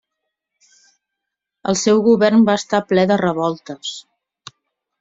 El seu govern va estar ple de revoltes.